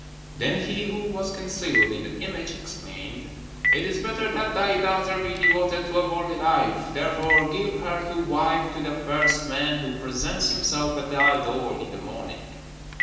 "Then he who was concealed in the image exclaimed, 'It is better that thy daughter be devoted to a worldly life. Therefore, give her to wife to the first man who presents himself at thy door in the morning.'